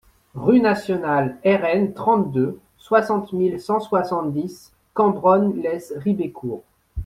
Rue Nationale Rn trente-deux, soixante mille cent soixante-dix Cambronne-lès-Ribécourt